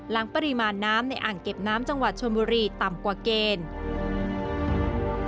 ปริมาณน้ำในอ่างเก็บน้ำจังหวัดชนบุรีต่ำกว่าเกณฑ์